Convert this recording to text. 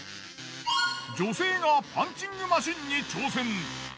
女性がパンチングマシンに挑戦。